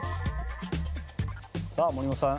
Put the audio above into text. さあ森本さん